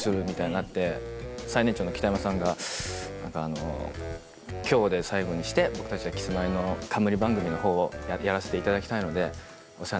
最年長の北山さんが「今日で最後にして僕たちはキスマイの冠番組のほうをやらしていただきたいので」。